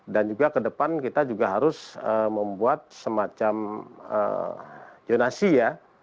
dan juga kedepan kita juga harus membuat semacam jonasi ya